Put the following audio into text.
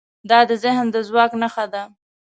دا د ذهن د ځواک نښه ده.